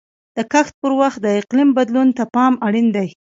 د کښت پر وخت د اقلیم بدلون ته پام اړین دی.